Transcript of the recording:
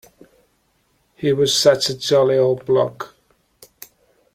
He was such a jolly old bloke.